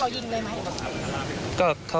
ยิงบนรถครับ